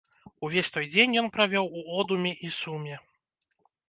Увесь той дзень ён правёў у одуме і суме.